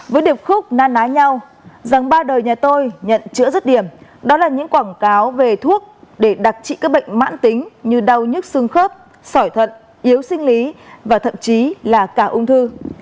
với điệp khúc na ná nhau rằng ba đời nhà tôi nhận chữa rứt điểm đó là những quảng cáo về thuốc để đặc trị các bệnh mãn tính như đau nhức xương khớp sỏi thận yếu sinh lý và thậm chí là cả ung thư